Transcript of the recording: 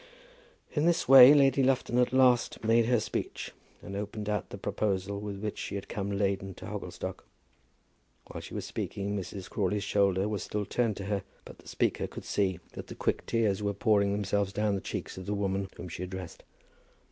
In this way Lady Lufton at last made her speech and opened out the proposal with which she had come laden to Hogglestock. While she was speaking Mrs. Crawley's shoulder was still turned to her; but the speaker could see that the quick tears were pouring themselves down the cheeks of the woman whom she addressed.